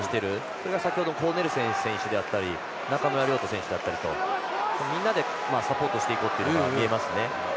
それが先程コーネルセン選手だったり中村亮土選手だったりとみんなでサポートしていこうっていうのが見えますね。